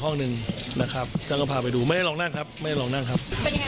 เป็นยังไงบ้างครับเจอกันครั้งแรกท่านประยุทธ์เป็นยังไงบ้างครับ